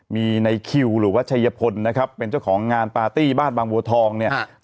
มีไนคิวหรือวัชยพลเป็นเจ้าของงานปาร์ตี้บ้านบางบัวทอง